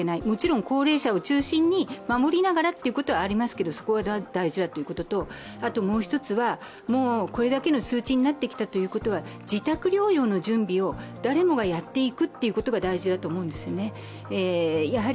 もちろん高齢者を中心に守りながらということはありますが、そこが大事だということとあともう一つは、これだけの数値になってきたということは自宅療養の準備を誰もがやっていくことが大事だと思うんですよね。